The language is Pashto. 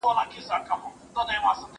مړۍ د مور له خوا خوراک کيږي!.